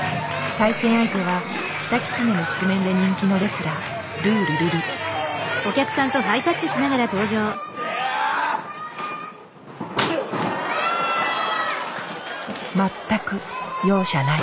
対戦相手はキタキツネの覆面で人気のレスラー全く容赦ない。